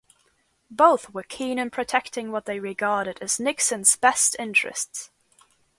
Both were keen in protecting what they regarded as Nixon's best interests.